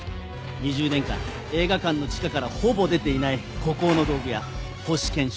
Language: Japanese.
２０年間映画館の地下からほぼ出ていない孤高の道具屋星憲章。